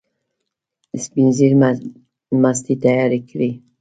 سپین ږیري مستې تیارې کړې.